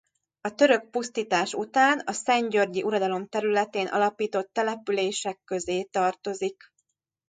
A török pusztítás után a szentgyörgyi uradalom területén alapított települések közé tartozik.